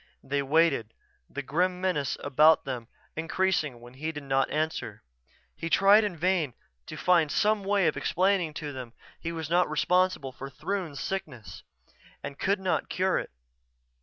They waited, the grim menace about them increasing when he did not answer. He tried in vain to find some way of explaining to them he was not responsible for Throon's sickness and could not cure it.